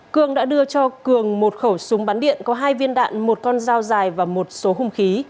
cương đã đưa cho cường một khẩu súng bắn điện có hai viên đạn một con dao dài và một số hung khí